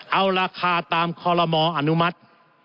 เอาราคาตามคอลโลมออนุมัติ